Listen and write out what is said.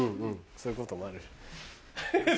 そういうこともある。